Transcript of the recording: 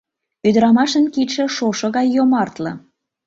Ӱдырамашын кидше шошо гай йомартле.